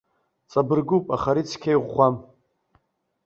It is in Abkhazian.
Ҵабыргуп, аха ари цқьа иӷәӷәам.